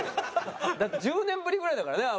だって１０年ぶりぐらいだからね会うの。